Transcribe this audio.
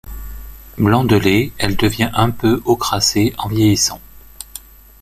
Blanc de lait, elle devient un peu ochracé en vieillissant.